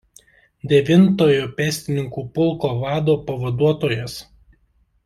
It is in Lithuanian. Devintojo pėstininkų pulko vado pavaduotojas.